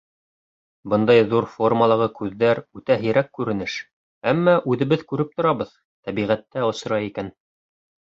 — Бындайын ҙур формалағы күҙҙәр үтә һирәк күренеш, әммә үҙебеҙ күреп торабыҙ, тәбиғәттә осрай икән.